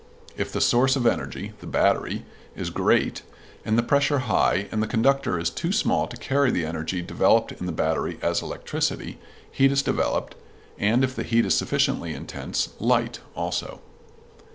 If the source of energy (the battery) is great and the pressure high and the conductor is too small to carry the energy developed in the battery as electricity, heat is developed, and if the heat is sufficiently intense, light also.